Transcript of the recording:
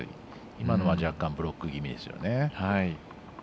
今のは若干ブロック気味ですよね。